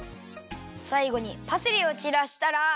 さいごにパセリをちらしたら。